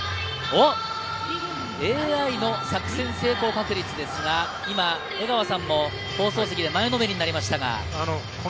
ＡＩの作戦成功確率ですが、江川さんも前のめりになりました。